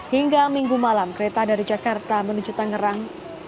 hingga minggu malam kereta dari jakarta menuju tangerang